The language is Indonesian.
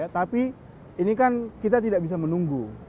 tapi ini kan kita tidak bisa menunggu